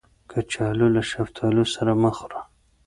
کچالو له شفتالو سره مه خوړه